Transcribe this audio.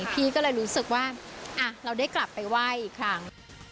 พี่ก็เลยรู้สึกว่าเราได้กลับไปไหว้อีกครั้ง